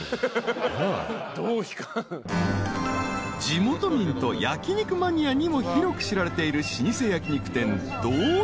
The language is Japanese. ［地元民と焼き肉マニアにも広く知られている老舗焼き肉店］